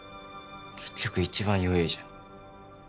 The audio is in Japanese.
結局一番弱えじゃん